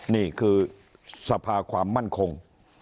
นี่คือสภาความมั่นคง